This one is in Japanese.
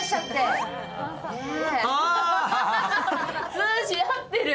通じ合ってる！